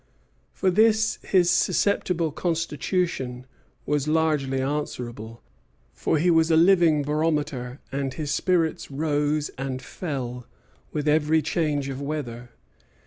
For this his susceptible constitution was largely answerable, for he was a living barometer, and his spirits rose and fell with every change of weather.